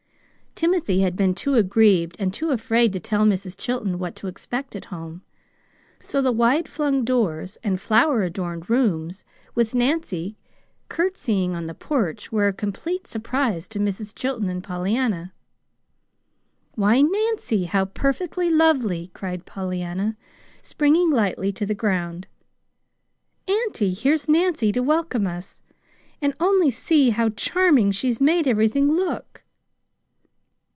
Timothy had been both too aggrieved and too afraid to tell Mrs. Chilton what to expect at home; so the wide flung doors and flower adorned rooms with Nancy courtesying on the porch were a complete surprise to Mrs. Chilton and Pollyanna. "Why, Nancy, how perfectly lovely!" cried Pollyanna, springing lightly to the ground. "Auntie, here's Nancy to welcome us. And only see how charming she's made everything look!"